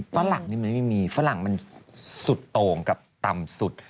ฝรั่งนี่มันไม่มีฝรั่งมันสุดโต่งกับต่ำสุด